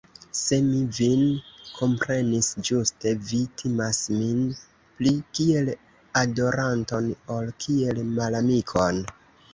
Se mi vin komprenis ĝuste, vi timas min pli kiel adoranton, ol kiel malamikon.